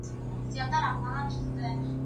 زه کولای سم کالي وپرېولم،